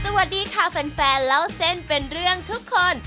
สวัสดีค่ะแฟนเล่าเส้นเป็นเรื่องทุกคน